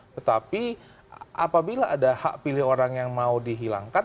tetapi apabila ada hak pilih orang yang mau dihilangkan